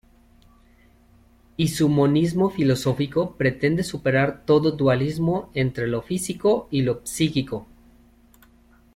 Y su monismo filosófico pretende superar todo dualismo entre lo físico y lo psíquico.